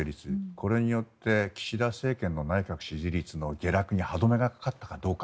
これによって岸田政権の内閣支持率の下落に歯止めがかかったかどうか。